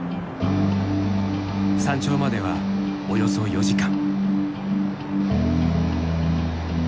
山頂まではおよそ４時間。